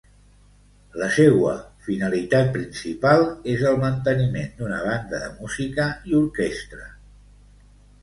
La seua finalitat principal és el manteniment d'una Banda de música i Orquestra.